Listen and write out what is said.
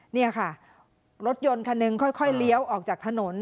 นี่ค่ะรถยนต์คันหนึ่งค่อยเลี้ยวออกจากถนน